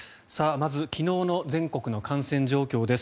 まず、昨日の全国の感染状況です。